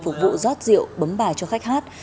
phục vụ rót rượu bấm bài cho khách hát